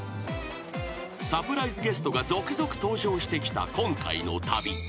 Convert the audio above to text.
［サプライズゲストが続々登場してきた今回の旅］